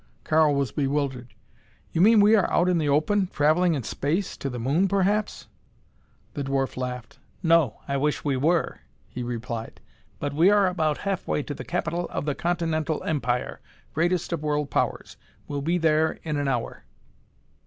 Karl was bewildered. "You mean we are out in the open traveling in space to the Moon perhaps?" The dwarf laughed. "No, I wish we were," he replied. "But we are about halfway to the capital of the Continental Empire, greatest of world powers. We'll be there in an hour."